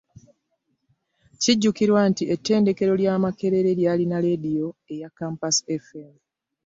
Kinajjukirwa nti ettendekero lya Makerere lyalina leediyo eya Campus Fm